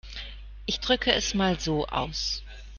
Ich drücke es mal so aus.